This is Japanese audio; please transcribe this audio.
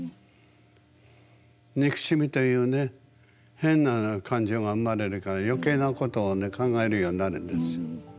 憎しみというね変な感情が生まれるから余計なことを考えるようになるんです。